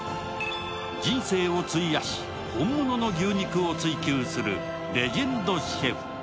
人生を費やし、本物の牛肉を追求するレジェンドシェフ。